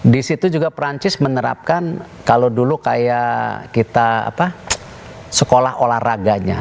di situ juga perancis menerapkan kalau dulu kayak kita sekolah olahraganya